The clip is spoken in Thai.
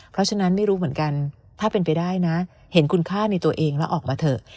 เพราะฉะนั้นไม่รู้เหมือนกันถ้าเป็นไปได้นะเห็นคุณค่าในตัวเองแล้วออกมาเถอะ